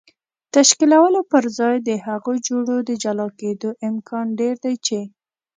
تشکیلولو پر ځای د هغو جوړو د جلا کېدو امکان ډېر دی چې